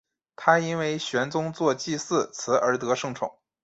他因为玄宗作祭祀词而得圣宠。